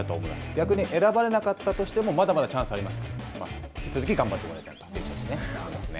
逆に選ばれなかったとしても、まだまだチャンスがありますから、引き続き頑張ってもらいたいですね。